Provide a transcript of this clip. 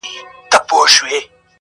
نن به یاد سي په لنډیو کي نومونه،